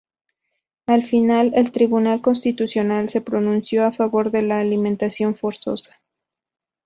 Al final el Tribunal Constitucional se pronunció a favor de la alimentación forzosa.